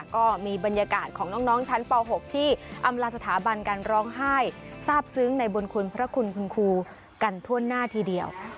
ก็มีบรรยากาศของน้องชั้นป๖ที่อำลาสถาบันการร้องไห้ทราบซึ้งในบุญคุณพระคุณคุณครูกันทั่วหน้าทีเดียว